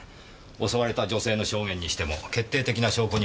襲われた女性の証言にしても決定的な証拠にはなりませんしね。